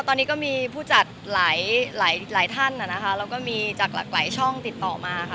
ตอนนี้ก็มีผู้จัดหลายท่านแล้วก็มีจากหลากหลายช่องติดต่อมาค่ะ